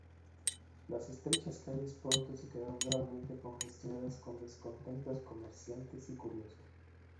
Las estrechas calles pronto se quedaron gravemente congestionadas con descontentos comerciantes y curiosos.